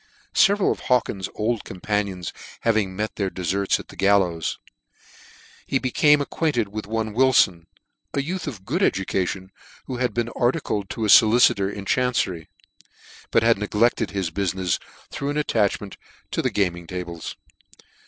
Several of Hawkins's old companions having met their deferts at the gallows, he became ac quainted with one Wilfon, a youth of good edu cation, who had been articled to .a folicitor in chancery; but had neglected his bufmefs through an attachment to the gaming tables.